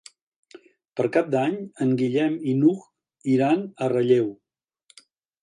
Per Cap d'Any en Guillem i n'Hug iran a Relleu.